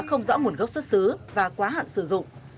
không rõ nguồn gốc xuất xứ và quá hạn sử dụng